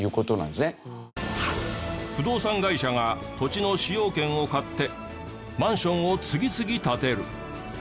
不動産会社が土地の使用権を買ってマンションを次々建てる。